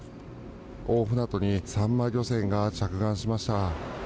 大船渡にサンマ漁船が着岸しました。